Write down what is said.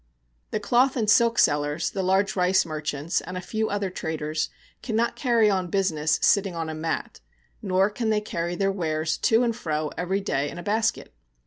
The cloth and silk sellers, the large rice merchants, and a few other traders, cannot carry on business sitting on a mat, nor can they carry their wares to and fro every day in a basket.